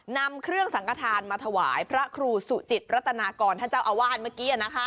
นำเครื่องสังกฐานมาถวายพระครูสุจิตรัตนากรท่านเจ้าอาวาสเมื่อกี้